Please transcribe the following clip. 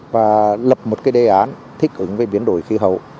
và lập một cái đề án thích ứng với biến đổi khí hậu